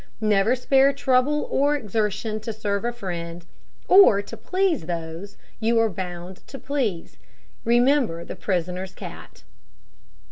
Never spare trouble or exertion to serve a friend, or to please those you are bound to please. Remember the prisoner's cat.